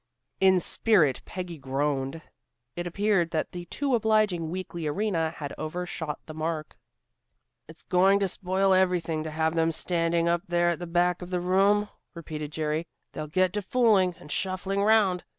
In spirit Peggy groaned. It appeared that the too obliging Weekly Arena had overshot the mark. "It's going to spoil everything to have them standing up there at the back of the room," repeated Jerry. "They'll get to fooling, and shuffling 'round.